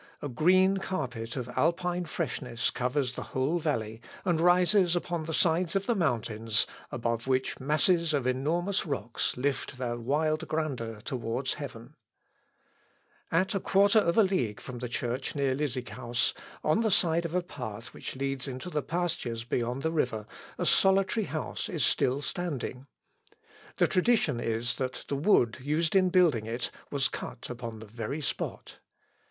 A green carpet of Alpine freshness covers the whole valley, and rises upon the sides of the mountains, above which masses of enormous rocks lift their wild grandeur towards heaven. The Tokenburg. At a quarter of a league from the church near Lisighaus, on the side of a path which leads into the pastures beyond the river, a solitary house is still standing. The tradition is, that the wood used in building it was cut upon the very spot.